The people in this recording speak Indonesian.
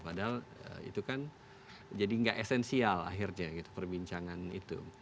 padahal itu kan jadi nggak esensial akhirnya gitu perbincangan itu